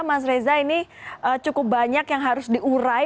mas reza ini cukup banyak yang harus diurai